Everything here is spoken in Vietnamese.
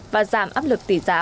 và giảm áp lực tỷ giá